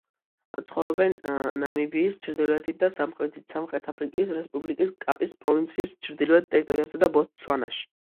ცხოვრობენ ნამიბიის ჩრდილოეთით და სამხრეთით, სამხრეთ აფრიკის რესპუბლიკის, კაპის პროვინციის ჩრდილოეთ ტერიტორიაზე და ბოტსვანაში.